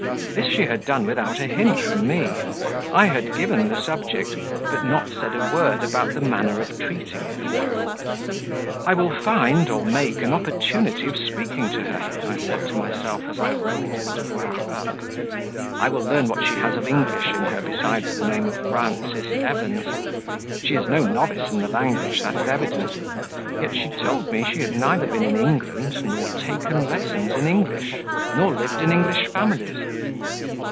This she had done without a hint from me: I had given the subject, but not said a word about the manner of treating it. "I will find, or make, an opportunity of speaking to her," I said to myself as I rolled the devoir up; "I will learn what she has of English in her besides the name of Frances Evans; she is no novice in the language, that is evident, yet she told me she had neither been in England, nor taken lessons in English, nor lived in English families."